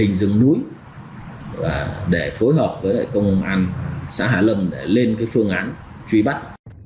hình dung núi để phối hợp với công an xã hà lâm để lên phương án truy bắt